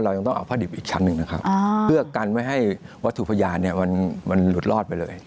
ยังต้องเอาผ้าดิบอีกชั้นหนึ่งนะครับเพื่อกันไม่ให้วัตถุพยานเนี่ยมันหลุดรอดไปเลย